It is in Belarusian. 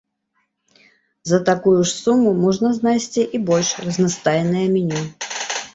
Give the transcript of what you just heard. За такую ж суму можна знайсці і больш разнастайнае меню.